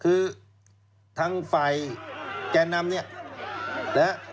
คือทางฝ่ายแก่นำเนี่ยนะฮะ